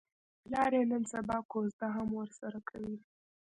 پلار یې نن سبا کوزده هم ورسره کوي.